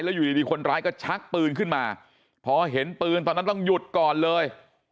อยู่ดีคนร้ายก็ชักปืนขึ้นมาพอเห็นปืนตอนนั้นต้องหยุดก่อนเลย